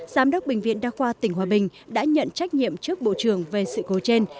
giám đốc bệnh viện đa khoa tỉnh hòa bình đã nhận trách nhiệm trước bộ trưởng về sự cố trên